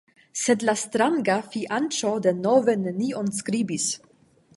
Sed la stranga fianĉo denove nenion skribis.